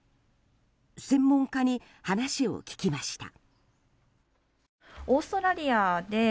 専門家に話を聞きました。